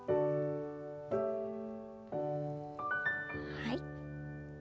はい。